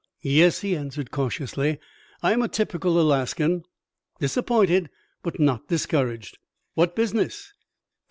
"Yes," he answered, cautiously, "I am a typical Alaskan disappointed, but not discouraged." "What business?"